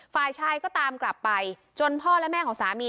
ฝ่ายชายก็ตามกลับไปจนพ่อและแม่ของสามี